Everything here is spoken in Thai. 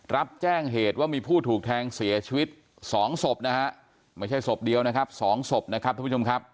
รับแจ้งเหตุว่ามีผู้ถูกแทงเสียชีวิตสองศพนะฮะไม่ใช่ศพเดียวนะครับ๒ศพนะครับท่านผู้ชมครับ